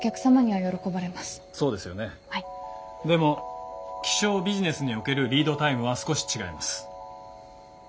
でも気象ビジネスにおけるリードタイムは少し違います。